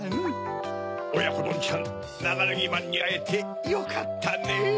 おやこどんちゃんナガネギマンにあえてよかったねぇ。